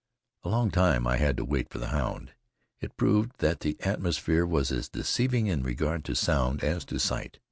A long time I had to wait for the hound. It proved that the atmosphere was as deceiving in regard to sound as to sight.